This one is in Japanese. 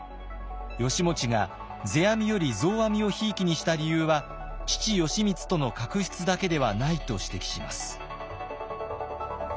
義持が世阿弥より増阿弥をひいきにした理由は父・義満との確執だけではないと指摘します。